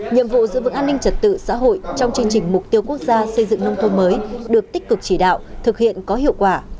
nhiệm vụ giữ vững an ninh trật tự xã hội trong chương trình mục tiêu quốc gia xây dựng nông thôn mới được tích cực chỉ đạo thực hiện có hiệu quả